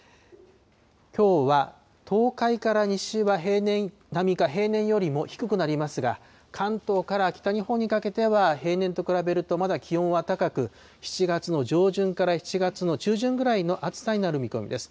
きょうは東海から西は平年並みか平年よりも低くなりますが、関東から北日本にかけては、平年と比べるとまだ気温は高く、７月の上旬から７月の中旬ぐらいの暑さになる見込みです。